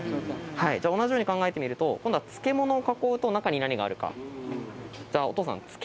同じように考えてみると今度は「漬物」を囲うと中に何があるか。